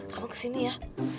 heh kamu kesini ya